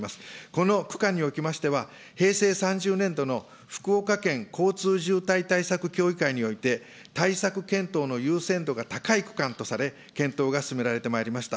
この区間におきましては、平成３０年度の福岡県交通渋滞対策協議会において、対策検討の優先度が高い区間とされ、検討が進められてまいりました。